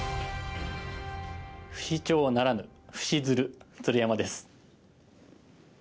不死鳥ならぬ不死鶴鶴山です。